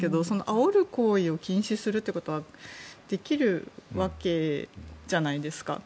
あおる行為を禁止するということはできるわけじゃないですか。